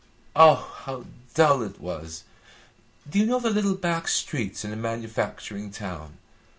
"Oh, how dull it was! Do you know the little back streets in a manufacturing town?